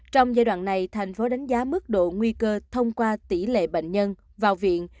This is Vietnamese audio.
trong giai đoạn này thành phố đánh giá mức độ nguy cơ thông qua tỷ lệ bệnh nhân vào viện